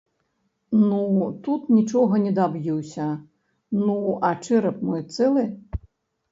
Ну, тут нічога не даб'юся, ну, а чэрап мой цэлы?